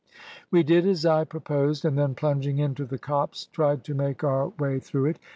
"We did as I proposed, and then plunging into the copse tried to make our way through it.